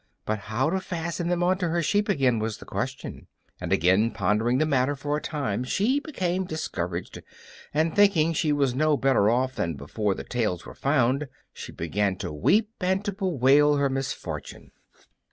But how to fasten them onto her sheep again was the question, and after pondering the matter for a time she became discouraged, and, thinking she was no better off than before the tails were found, she began to weep and to bewail her misfortune.